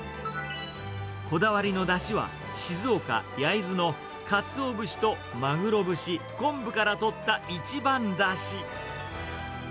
こだわりのだしは、静岡・焼津のカツオ節とマグロ節、昆布からとった一番だし。